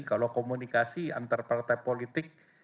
kalau komunikasi antar partai politik